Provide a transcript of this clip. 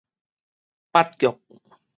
八腳